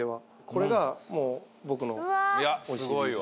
これがもう僕のおいしいビール。